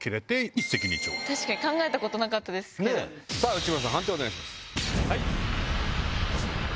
内村さん判定をお願いします。